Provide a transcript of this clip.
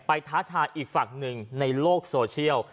ท้าทายอีกฝั่งหนึ่งในโลกโซเชียล